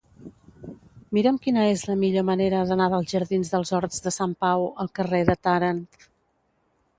Mira'm quina és la millor manera d'anar dels jardins dels Horts de Sant Pau al carrer de Tàrent.